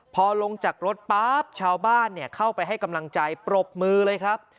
พอลงจากรถปั๊บชาวบ้านเข้าไปให้กำลังใจปรบมือเลยครับ